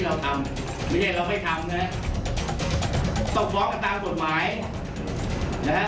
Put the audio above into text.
เราไม่ทำนะฮะต้องฟ้องกันตามกฎหมายนะฮะ